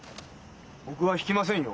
僕は引きませんよ。